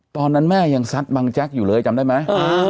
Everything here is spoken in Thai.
ตอนนั้นแม่ยังซัดบังแจ๊กอยู่เลยจำได้ไหม